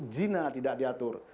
zina tidak diatur